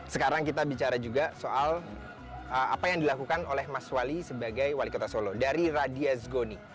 sekarang kita bicara juga soal apa yang dilakukan oleh mas wali sebagai wali kota solo dari radiazgoni